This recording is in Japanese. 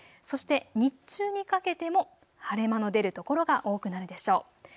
そして日中にかけても晴れ間の出る所が多くなるでしょう。